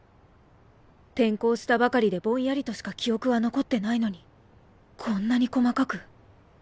転校したばかりでぼんやりとしか記憶は残ってないのにこんなに細かく